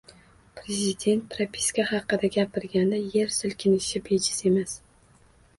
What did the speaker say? Prezident propiska haqida gapirganda yer silkinishi bejiz emas